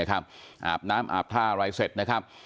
อาบน้ำอาบท่าอะไรก็เสร็จ